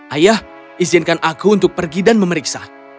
ayah izinkan aku untuk pergi dan memeriksa